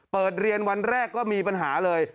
เปิดเรียนวันแรกก็มีปัญหาเลย